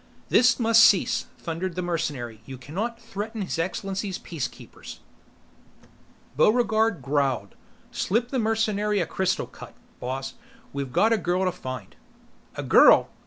"This must cease!" thundered the mercenary. "You cannot threaten His Excellency's Peacekeepers!" Buregarde growled, "Slip the mercenary a crystal cut, boss. We've got a girl to find!" "A girl?